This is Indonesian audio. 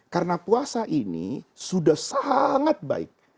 karena puasa ini sudah sangat baik